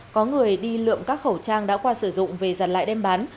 có người đi lượm các khẩu trang đã qua sử dụng về giặt lại đem bán